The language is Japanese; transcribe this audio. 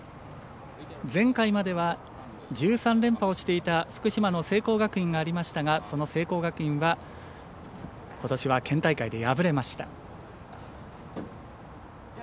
前回までは１３連覇をしていた福島の聖光学院がありましたがその聖光学院はことしは県大会で敗れました。